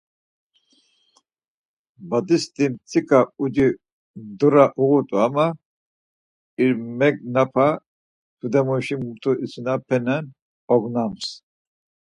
Badisti mtsika uci ndura uğut̆u ama ir megnapa, tudemuşi mutu isinapinen ognams.